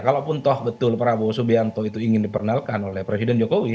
kalaupun toh betul prabowo subianto itu ingin diperkenalkan oleh presiden jokowi